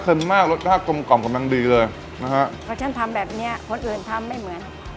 อื้มไม่เข็มมากเพราะชานทำแบบเนี้ยคนอื่นทำไม่เหมือน